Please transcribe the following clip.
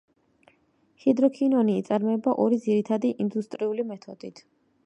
ჰიდროქინონი იწარმოება ორი ძირითადი ინდუსტრიული მეთოდით.